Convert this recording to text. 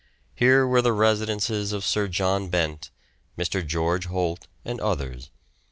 Here were the residences of Sir John Bent, Mr. George Holt, and others.